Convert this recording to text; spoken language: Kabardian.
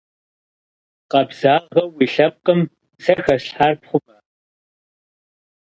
Къэбзагъэу уи лъэпкъым сэ хэслъхьар пхъума?